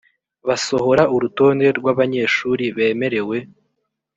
basohora urutonde rw abanyeshuri bemerewe